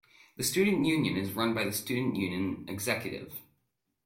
The student union is run by the Student Union Executive.